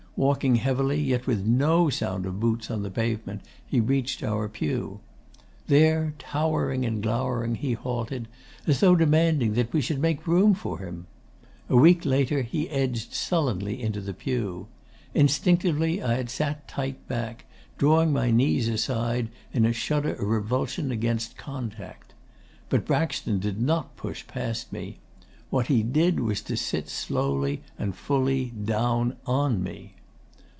Walking heavily, yet with no sound of boots on the pavement, he reached our pew. There, towering and glowering, he halted, as though demanding that we should make room for him. A moment later he edged sullenly into the pew. Instinctively I had sat tight back, drawing my knees aside, in a shudder of revulsion against contact. But Braxton did not push past me. What he did was to sit slowly and fully down on me.